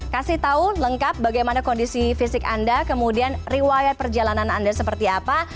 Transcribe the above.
kasih tahu lengkap bagaimana kondisi fisik anda kemudian riwayat perjalanan anda seperti apa